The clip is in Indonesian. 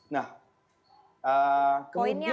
nah kemudian juga